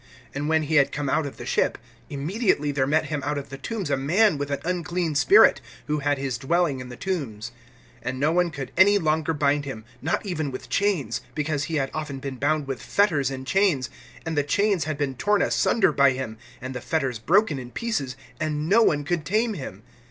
(2)And when he had come out of the ship, immediately there met him out of the tombs a man with an unclean spirit, (3)who had his dwelling in the tombs; and no one could any longer bind him, not even with chains. (4)Because he had often been bound with fetters and chains; and the chains had been torn asunder by him, and the fetters broken in pieces, and no one could tame him.